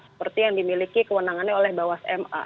seperti yang dimiliki kewenangannya oleh bawah ma